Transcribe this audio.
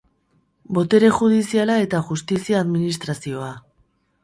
Botere judiziala eta justizia administrazioa.